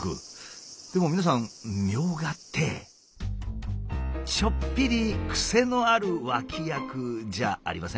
でも皆さんみょうがってちょっぴりクセのある脇役じゃありません？